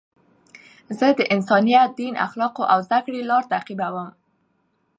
زه د انسانیت، دین، اخلاقو او زدهکړي لار تعقیبوم.